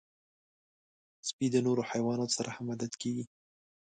سپي د نورو حیواناتو سره هم عادت کېږي.